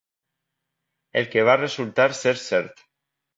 El que va resultar ser cert.